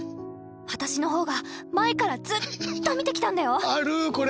私の方が前からずっと見てきたんだよ！